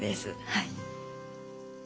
はい。